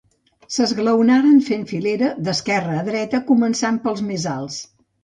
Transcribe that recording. S'esglaonaren fent filera, d'esquerra a dreta, començant pels més alts.